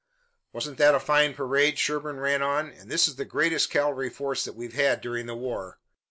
"Wasn't that a fine parade?" Sherburne ran on. "And this is the greatest cavalry force that we've had during the war.